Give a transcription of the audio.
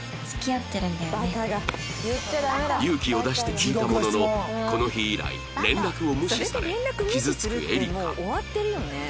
勇気を出して聞いたもののこの日以来連絡を無視され傷つくエリカ